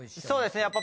そうですね。